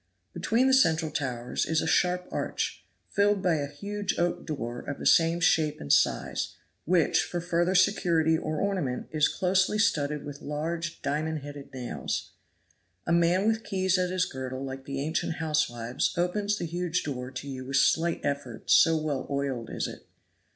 Between the central towers is a sharp arch, filled by a huge oak door of the same shape and size, which, for further security or ornament, is closely studded with large diamond headed nails. A man with keys at his girdle like the ancient housewives opens the huge door to you with slight effort, so well oiled is it.